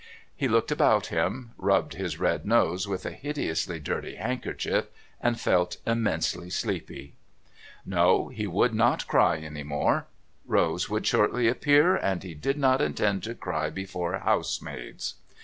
He looked about him, rubbed his red nose with a hideously dirty handkerchief, and felt immensely sleepy. No, he would not cry any more. Rose would shortly appear, and he did not intend to cry before housemaids.